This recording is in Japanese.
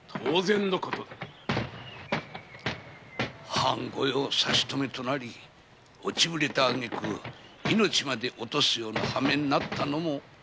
藩御用差しとめになり落ちぶれたあげく命まで落とすようなハメになったのも自業自得。